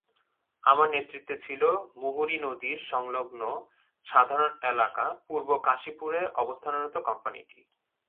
আমার নেতৃত্বে ছিল মুহুরী নদীর সংলগ্ন সাধারণ এলাকা পূর্ব রশিকপুরে অবস্থানরত কোম্পানিটি।